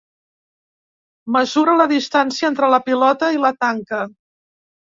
Mesura la distància entre la pilota i la tanca.